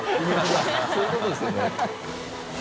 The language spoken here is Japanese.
鑒瓦如そういうことですよね。